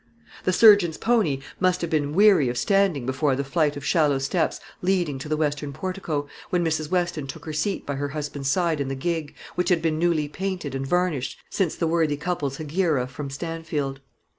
The surgeon's pony must have been weary of standing before the flight of shallow steps leading to the western portico, when Mrs. Weston took her seat by her husband's side in the gig, which had been newly painted and varnished since the worthy couple's hegira from Stanfield.